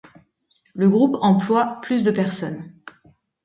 Le groupe emploie plus de personnes.